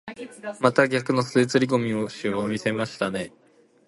また逆の袖釣り込み腰を見せましたね。